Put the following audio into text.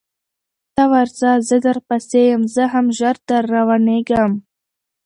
ته ورځه زه در پسې یم زه هم ژر در روانېږم